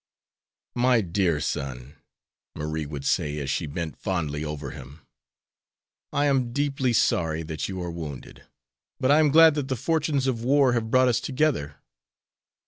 "My dear son," Marie would say, as she bent fondly over him, "I am deeply sorry that you are wounded, but I am glad that the fortunes of war have brought us together.